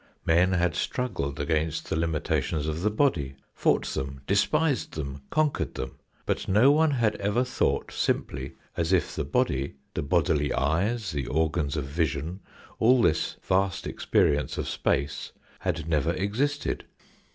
Men had struggled against the limitations of the body, fought them, despised them, conquered them. But no one had ever thought simply as if the body, the bodily eyes, the organs of vision, all this vast experience of space, had never existed.